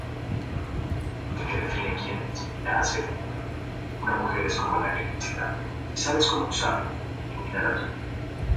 ¿quién os ha enseñado á huir de la ira que vendrá?